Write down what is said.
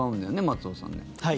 松尾さん。